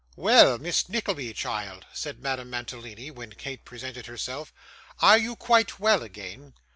'Well, Miss Nickleby, child,' said Madame Mantalini, when Kate presented herself; 'are you quite well again?